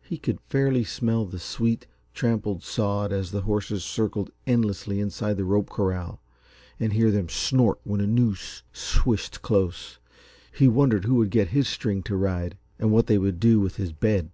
He could fairly smell the sweet, trampled sod as the horses circled endlessly inside the rope corral, and hear them snort when a noose swished close. He wondered who would get his string to ride, and what they would do with his bed.